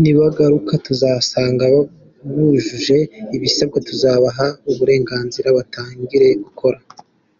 Nibagaruka tugasanga bujuje ibisabwa, tuzabaha uburenganzira batangire gukora.”